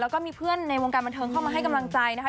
แล้วก็มีเพื่อนในวงการบันเทิงเข้ามาให้กำลังใจนะคะ